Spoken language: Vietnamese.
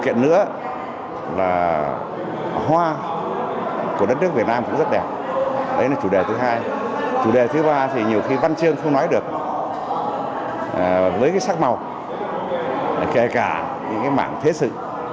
kể cả những cái mạng thế sự